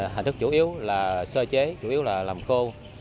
hình thức chủ yếu là sơ chế chủ yếu là làm khô